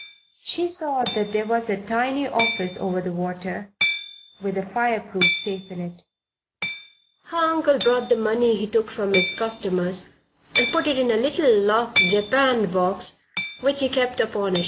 She saw that there was a tiny office over the water, with a fireproof safe in it. Her uncle brought the money he took from his customers and put it in a little locked, japanned box, which he kept upon a shelf.